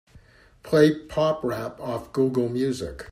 Play pop-rap off Google Music.